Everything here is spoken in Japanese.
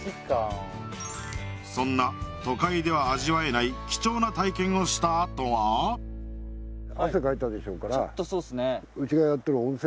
そんな都会では味わえない貴重な体験をしたあとはちょっとそうっすね